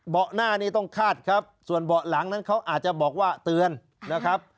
หน้านี้ต้องคาดครับส่วนเบาะหลังนั้นเขาอาจจะบอกว่าเตือนนะครับ